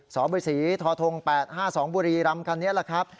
สบศท๘๕๒บุรีรำคันนี้แหละครับ